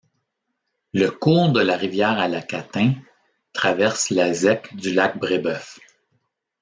Le cours de la rivière à la Catin traverse la zec du Lac-Brébeuf.